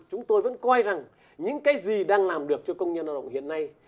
chúng tôi vẫn coi rằng những cái gì đang làm được cho công nhân lao động hiện nay